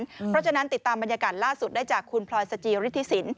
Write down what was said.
เพราะฉะนั้นติดตามบรรยากาศล่าสุดได้จากคุณพลอยสจิฤทธิสิน